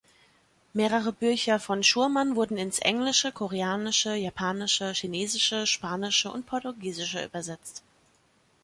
Mehrere Bücher von Schuurman wurden ins Englische, Koreanische, Japanische, Chinesische, Spanische und Portugiesische übersetzt.